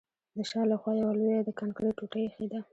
د شا له خوا یوه لویه د کانکریټ ټوټه ایښې ده